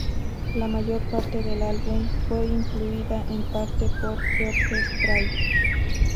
La mayor parte del álbum fue influida en parte por George Strait.